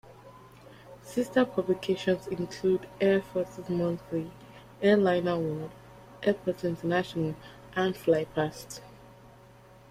Sister publications include "Air Forces Monthly", "Airliner World", "Airports International" and "FlyPast".